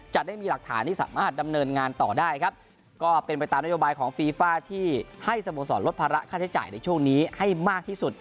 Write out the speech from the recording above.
จะได้มีหลักฐานที่สามารถดำเนินงานต่อได้ครับก็เป็นไปตามนโยบายของฟีฟ่าที่ให้สโมสรลดภาระค่าใช้จ่ายในช่วงนี้ให้มากที่สุด